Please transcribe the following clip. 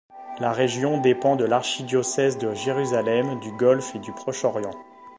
La région dépend de l'archidiocèse de Jérusalem, du Golfe et du Proche-Orient.